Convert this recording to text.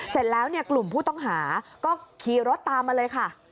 เสร็จแล้วกลุ่มผู้ต้องหาก็ขี่รถตามมาเลยค่ะ